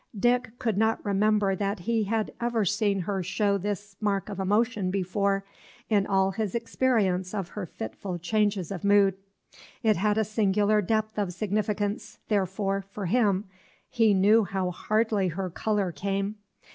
Dick could not remember that he had ever seen her show this mark of emotion before, in all his experience of her fitful changes of mood. It had a singular depth of significance, therefore, for him; he knew how hardly her color came.